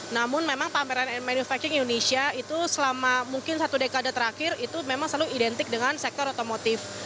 namun memang pameran manufacturing indonesia itu selama mungkin satu dekade terakhir itu memang selalu identik dengan sektor otomotif